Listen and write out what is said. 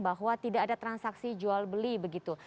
bahwa tidak ada transaksi jual beli begitu